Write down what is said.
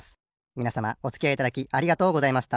みなさまおつきあいいただきありがとうございました